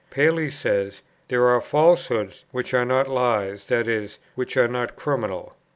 Paley says: "There are falsehoods, which are not lies, that is, which are not criminal."